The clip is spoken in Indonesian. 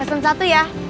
pesan satu ya